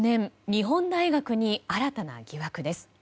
日本大学に新たな疑惑です。